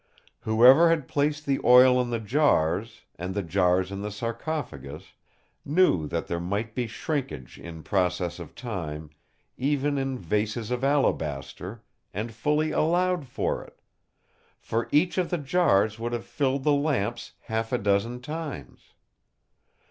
Whoever had placed the oil in the jars, and the jars in the sarcophagus, knew that there might be shrinkage in process of time, even in vases of alabaster, and fully allowed for it; for each of the jars would have filled the lamps half a dozen times.